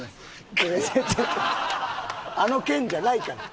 あの件じゃないから。